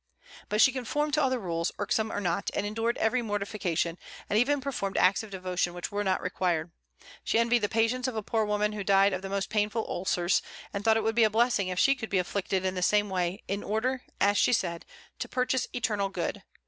But she conformed to all the rules, irksome or not, and endured every mortification, and even performed acts of devotion which were not required. She envied the patience of a poor woman who died of the most painful ulcers, and thought it would be a blessing if she could be afflicted in the same way, in order, as she said, to purchase eternal good.